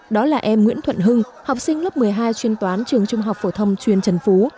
đó là em nguyễn thuận hưng học sinh lớp một mươi hai chuyên toán trường trung học phổ thông chuyên trần phú